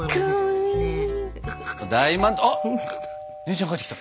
あっ姉ちゃん帰ってきた。